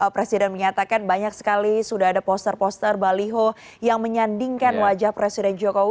presiden menyatakan banyak sekali sudah ada poster poster baliho yang menyandingkan wajah presiden jokowi